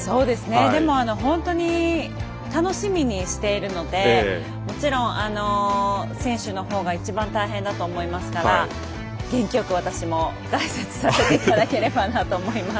でも本当に楽しみにしているのでもちろん、選手のほうが一番、大変だと思いますから元気よく私も解説させていただければなと思います。